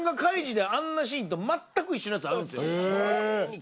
で